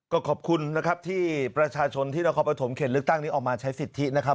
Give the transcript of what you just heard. ก็ขอบคุณนะครับที่ประชาชนที่นครปฐมเขตเลือกตั้งนี้ออกมาใช้สิทธินะครับ